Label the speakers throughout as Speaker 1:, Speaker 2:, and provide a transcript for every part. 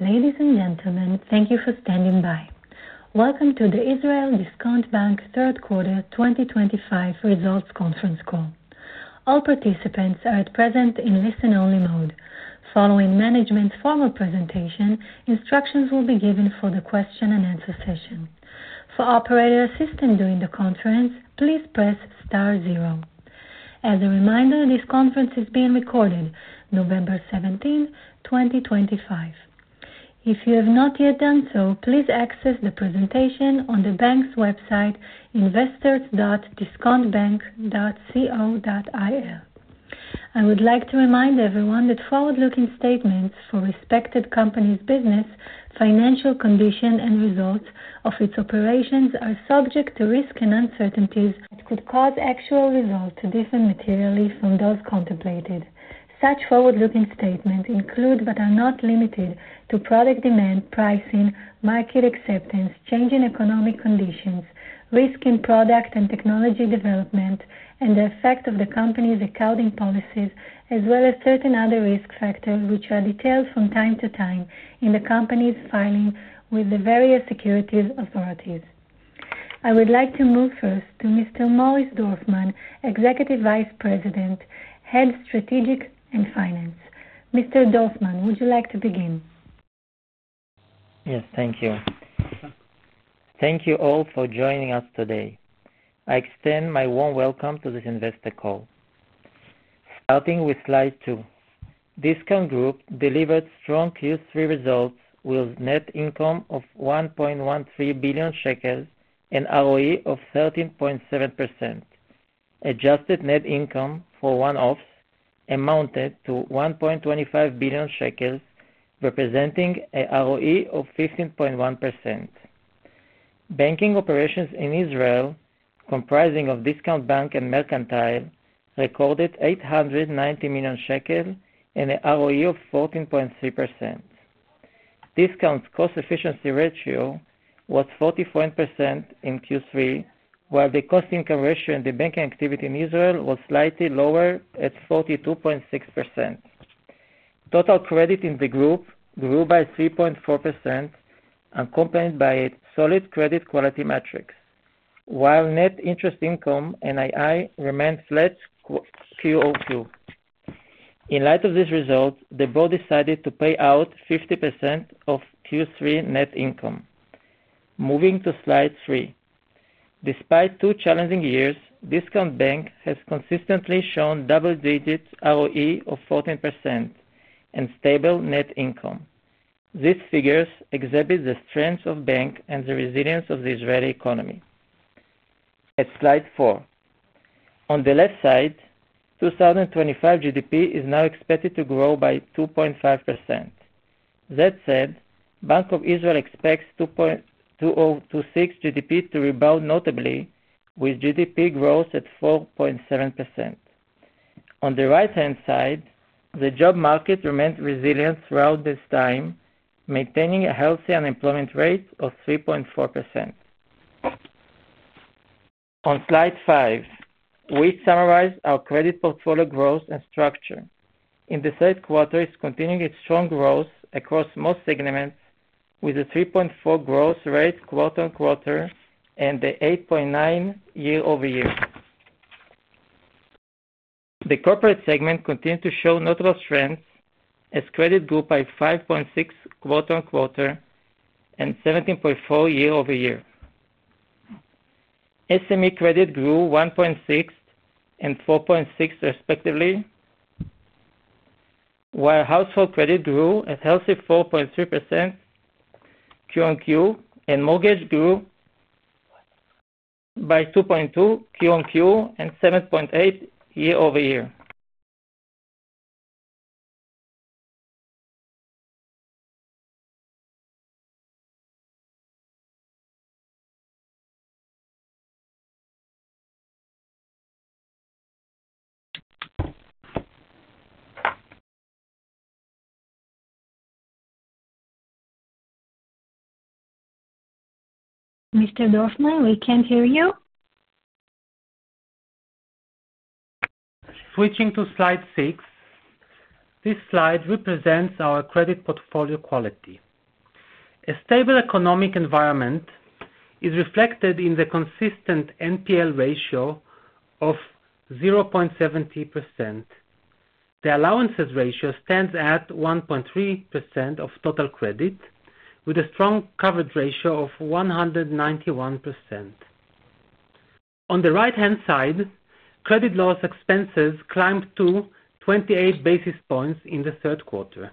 Speaker 1: Ladies and gentlemen, thank you for standing by. Welcome to the Israel Discount Bank third quarter 2025 results conference call. All participants are at present in listen-only mode. Following management's formal presentation, instructions will be given for the question-and-answer session. For operator assistance during the conference, please press star zero. As a reminder, this conference is being recorded, November 17th, 2025. If you have not yet done so, please access the presentation on the bank's website, investors.discountbank.co.il. I would like to remind everyone that forward-looking statements for respected companies' business, financial condition, and results of its operations are subject to risk and uncertainties that could cause actual results to differ materially from those contemplated. Such forward-looking statements include, but are not limited to, product demand, pricing, market acceptance, changing economic conditions, risk in product and technology development, and the effect of the company's accounting policies, as well as certain other risk factors which are detailed from time to time in the company's filing with the various securities authorities. I would like to move first to Mr. Morris Dorfman, Executive Vice President, Head Strategic and Finance. Mr. Dorfman, would you like to begin?
Speaker 2: Yes, thank you. Thank you all for joining us today. I extend my warm welcome to this investor call. Starting with slide two, Discount Group delivered strong Q3 results with net income of 1.13 billion shekels and ROE of 13.7%. Adjusted net income for one-offs amounted to 1.25 billion shekels, representing an ROE of 15.1%. Banking operations in Israel, comprising Discount Bank and Mercantile Bank, recorded 890 million shekel and an ROE of 14.3%. Discount's cost-efficiency ratio was 44% in Q3, while the cost-income ratio in the banking activity in Israel was slightly lower at 42.6%. Total credit in the group grew by 3.4%, accompanied by solid credit quality metrics, while net interest income (NII) remained flat QoQ in Q3. In light of these results, the board decided to pay out 50% of Q3 net income. Moving to slide three, despite two challenging years, Discount Bank has consistently shown double-digit ROE of 14% and stable net income. These figures exhibit the strength of the bank and the resilience of the Israeli economy. At slide four, on the left side, 2025 GDP is now expected to grow by 2.5%. That said, Bank of Israel expects 2026 GDP to rebound notably, with GDP growth at 4.7%. On the right-hand side, the job market remained resilient throughout this time, maintaining a healthy unemployment rate of 3.4%. On slide five, we summarize our credit portfolio growth and structure. In the third quarter, it continued its strong growth across most segments, with a 3.4% growth rate quarter-on-quarter and an 8.9% year-over-year. The corporate segment continued to show notable strength, as credit grew by 5.6% quarter-on-quarter and 17.4% year-over-year. SME credit grew 1.6% and 4.6% respectively, while household credit grew a healthy 4.3% QoQ, and mortgage grew by 2.2% QoQ and 7.8% year-over-year.
Speaker 1: Mr. Dorfman, we can't hear you.
Speaker 2: Switching to slide six, this slide represents our credit portfolio quality. A stable economic environment is reflected in the consistent NPL ratio of 0.70%. The allowances ratio stands at 1.3% of total credit, with a strong coverage ratio of 191%. On the right-hand side, credit loss expenses climbed to 28 basis points in the third quarter.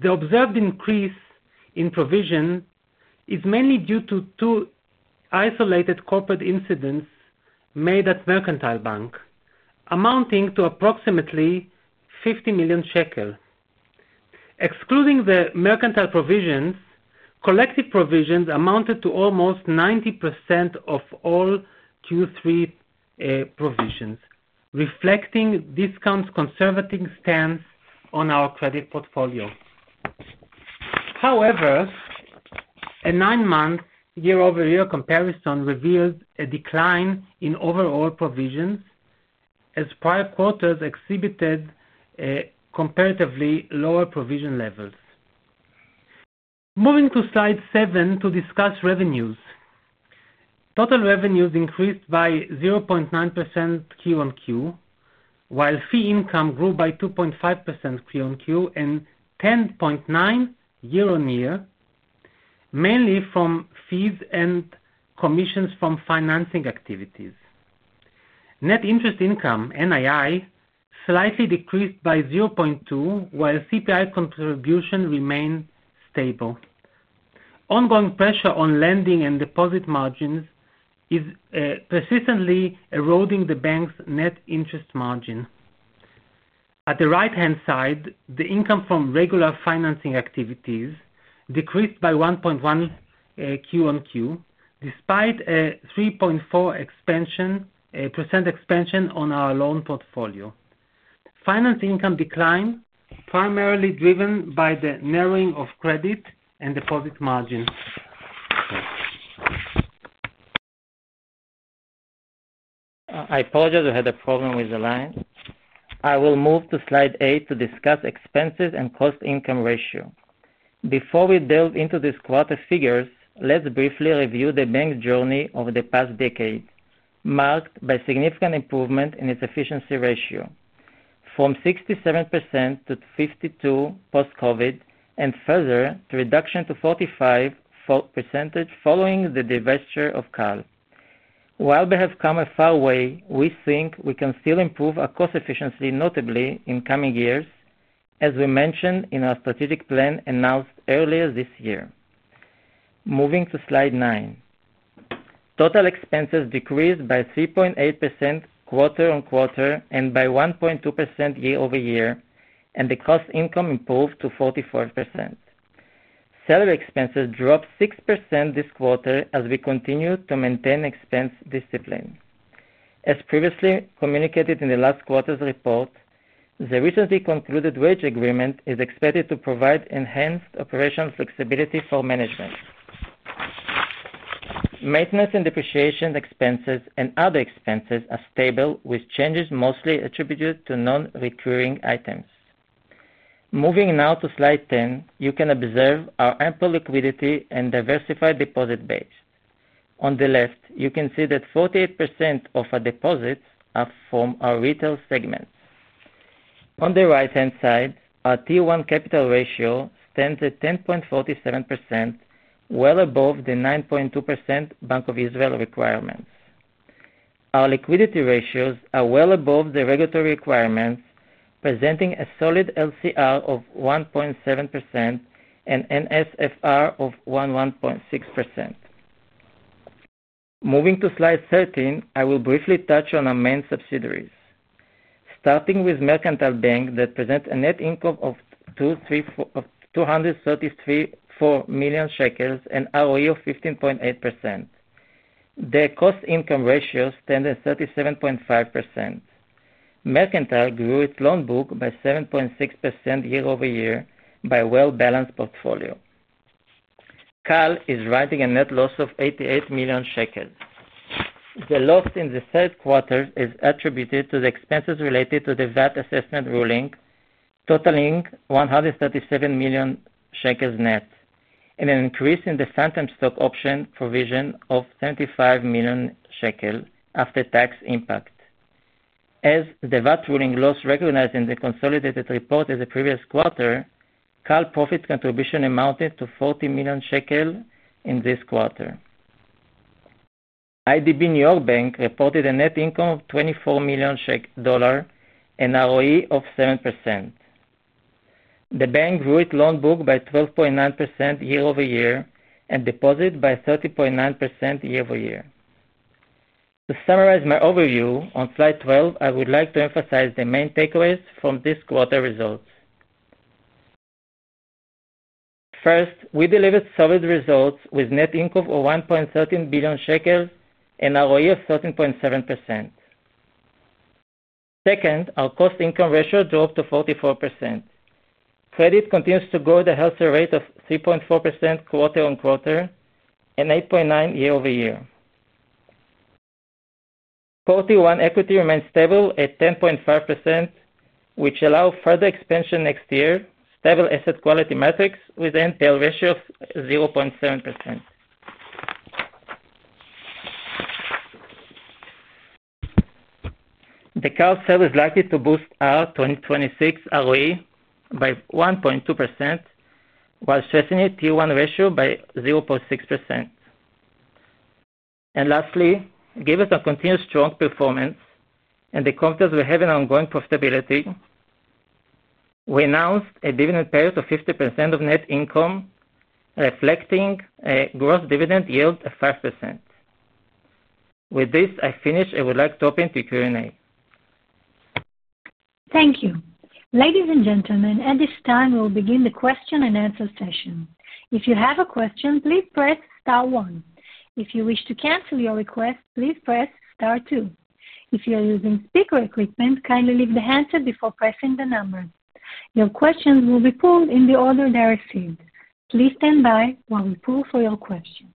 Speaker 2: The observed increase in provision is mainly due to two isolated corporate incidents made at Mercantile Bank, amounting to approximately 50 million shekel. Excluding the Mercantile provisions, collective provisions amounted to almost 90% of all Q3 provisions, reflecting Discount's conservative stance on our credit portfolio. However, a nine-month year-over-year comparison revealed a decline in overall provisions, as prior quarters exhibited comparatively lower provision levels. Moving to slide seven to discuss revenues. Total revenues increased by 0.9% QoQ, while fee income grew by 2.5% QoQ and 10.9% year-on-year, mainly from fees and commissions from financing activities. Net interest income, NII, slightly decreased by 0.2%, while CPI contribution remained stable. Ongoing pressure on lending and deposit margins is persistently eroding the bank's net interest margin. At the right-hand side, the income from regular financing activities decreased by 1.1% QoQ, despite a 3.4% expansion on our loan portfolio. Financing income declined, primarily driven by the narrowing of credit and deposit margins. I apologize, we had a problem with the line. I will move to slide eight to discuss expenses and cost-income ratio. Before we delve into these quarter figures, let's briefly review the bank's journey over the past decade, marked by significant improvement in its efficiency ratio, from 67% to 52% post-COVID, and further reduction to 45% following the divestiture of CAL. While we have come a far way, we think we can still improve our cost efficiency notably in coming years, as we mentioned in our strategic plan announced earlier this year. Moving to slide nine, total expenses decreased by 3.8% quarter-on-quarter and by 1.2% year-over-year, and the cost-income improved to 44%. Salary expenses dropped 6% this quarter as we continue to maintain expense discipline. As previously communicated in the last quarter's report, the recently concluded wage agreement is expected to provide enhanced operational flexibility for management. Maintenance and depreciation expenses and other expenses are stable, with changes mostly attributed to non-recurring items. Moving now to slide ten, you can observe our ample liquidity and diversified deposit base. On the left, you can see that 48% of our deposits are from our retail segment. On the right-hand side, our T1 Capital Ratio stands at 10.47%, well above the 9.2% Bank of Israel requirements. Our liquidity ratios are well above the regulatory requirements, presenting a solid LCR of 170% and NSFR of 116%. Moving to slide 13, I will briefly touch on our main subsidiaries, starting with Mercantile Bank, that present a net income of ILS 234 million and ROE of 15.8%. The Cost-Income Ratio stands at 37.5%. Mercantile grew its loan book by 7.6% year-over-year by a well-balanced portfolio. CAL is rising a net loss of 88 million shekels. The loss in the third quarter is attributed to the expenses related to the VAT assessment ruling, totaling 137 million shekels net, and an increase in the Phantom Stock Option provision of 75 million shekels after tax impact. As the VAT ruling loss recognized in the consolidated report in the previous quarter, CAL profit contribution amounted to 40 million shekel in this quarter. IDB NY Bank reported a net income of $24 million and ROE of 7%. The bank grew its loan book by 12.9% year-over-year and deposit by 30.9% year-over-year. To summarize my overview on slide 12, I would like to emphasize the main takeaways from this quarter results. First, we delivered solid results with net income of 1.13 billion shekels and ROE of 13.7%. Second, our cost-income ratio dropped to 44%. Credit continues to grow at a healthy rate of 3.4% quarter-on-quarter and 8.9% year-over-year. Q1 equity remained stable at 10.5%, which allowed further expansion next year. Stable asset quality metrics with NPL ratio of 0.70%. The CAL sale is likely to boost our 2026 ROE by 1.2%, while stressing a T1 ratio by 0.6%. Lastly, given our continued strong performance and the companies we have in ongoing profitability, we announced a dividend payout of 50% of net income, reflecting a gross dividend yield of 5%. With this, I finish. I would like to open to Q&A.
Speaker 1: Thank you. Ladies and gentlemen, at this time, we'll begin the question-and-answer session. If you have a question, please press star one. If you wish to cancel your request, please press star two. If you're using speaker equipment, kindly leave the answer before pressing the number. Your questions will be pulled in the order they're received. Please stand by while we pull for your question.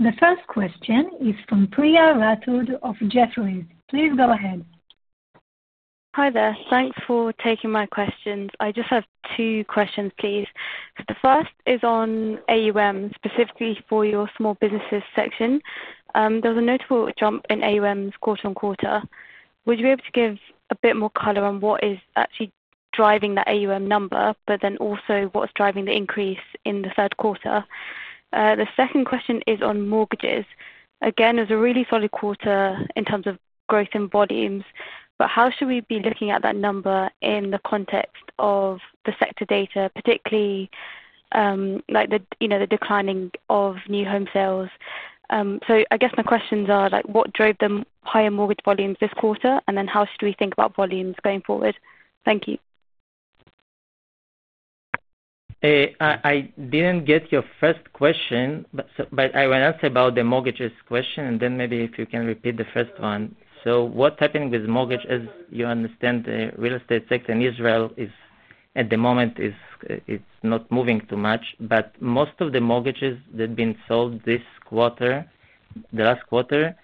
Speaker 1: The first question is from Priya Rathod of Jefferies. Please go ahead.
Speaker 3: Hi there. Thanks for taking my questions. I just have two questions, please. The first is on AUM, specifically for your small businesses section. There was a notable jump in AUM quarter-on-quarter. Would you be able to give a bit more color on what is actually driving that AUM number, but then also what's driving the increase in the third quarter? The second question is on mortgages. Again, it was a really solid quarter in terms of growth and volumes, but how should we be looking at that number in the context of the sector data, particularly the declining of new home sales? I guess my questions are what drove the higher mortgage volumes this quarter, and then how should we think about volumes going forward? Thank you.
Speaker 2: I didn't get your first question, but I will answer about the mortgages question, and then maybe if you can repeat the first one. What's happening with mortgage, as you understand, the real estate sector in Israel at the moment is not moving too much, but most of the mortgages that have been sold this quarter, the last quarter,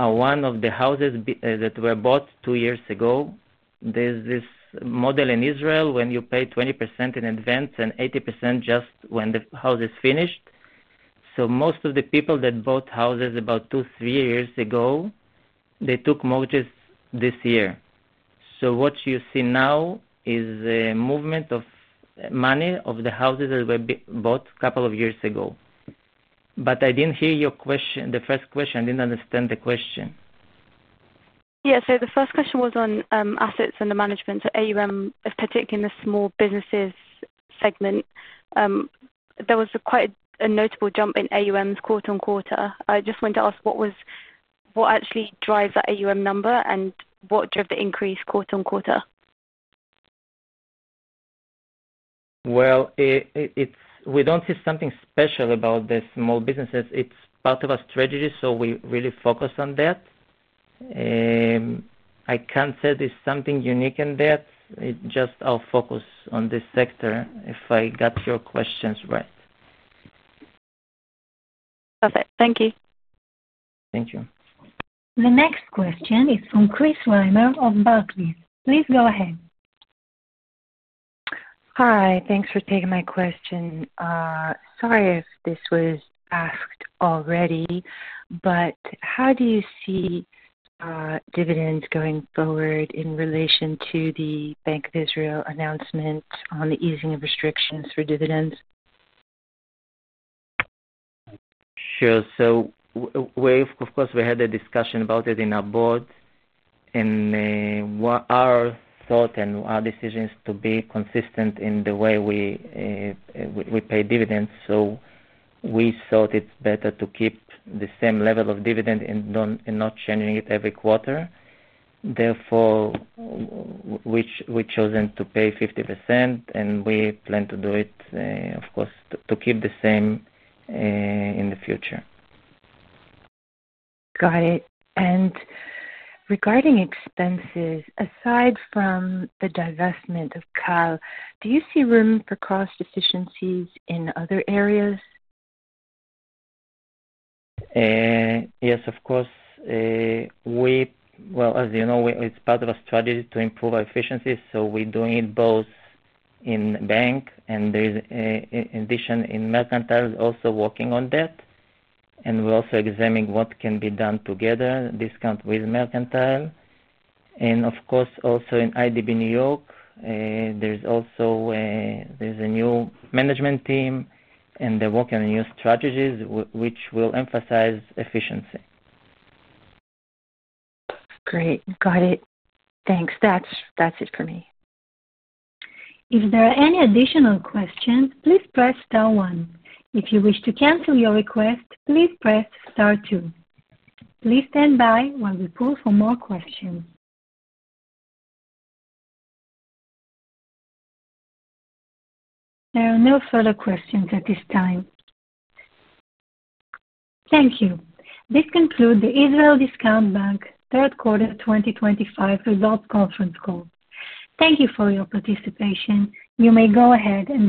Speaker 2: are one of the houses that were bought two years ago. There's this model in Israel when you pay 20% in advance and 80% just when the house is finished. Most of the people that bought houses about two, three years ago, they took mortgages this year. What you see now is a movement of money of the houses that were bought a couple of years ago. I didn't hear your question, the first question. I didn't understand the question.
Speaker 3: Yeah, so the first question was on assets and the management, so AUM, particularly in the small businesses segment. There was quite a notable jump in AUMs quarter-on-quarter. I just wanted to ask what actually drives that AUM number and what drove the increase quarter-on-quarter?
Speaker 2: We do not see something special about the small businesses. It is part of our strategy, so we really focus on that. I cannot say there is something unique in that. It is just our focus on this sector, if I got your questions right.
Speaker 3: Perfect. Thank you.
Speaker 2: Thank you.
Speaker 1: The next question is from Chris Reimer of Barclays. Please go ahead.
Speaker 4: Hi, thanks for taking my question. Sorry if this was asked already, but how do you see dividends going forward in relation to the Bank of Israel announcement on the easing of restrictions for dividends?
Speaker 2: Sure. Of course, we had a discussion about it in our board, and our thought and our decision is to be consistent in the way we pay dividends. We thought it's better to keep the same level of dividend and not change it every quarter. Therefore, we chose to pay 50%, and we plan to do it, of course, to keep the same in the future.
Speaker 4: Got it. Regarding expenses, aside from the divestment of CAL, do you see room for cost efficiencies in other areas?
Speaker 2: Yes, of course. As you know, it's part of our strategy to improve our efficiencies, so we're doing it both in the bank and in addition in Mercantile, also working on that. We're also examining what can be done together, Discount with Mercantile. Of course, also in IDB New York, there's a new management team, and they're working on new strategies, which will emphasize efficiency.
Speaker 4: Great. Got it. Thanks. That's it for me.
Speaker 1: If there are any additional questions, please press star one. If you wish to cancel your request, please press star two. Please stand by while we pull for more questions. There are no further questions at this time. Thank you. This concludes the Israel Discount Bank third quarter 2025 results conference call. Thank you for your participation. You may go ahead and.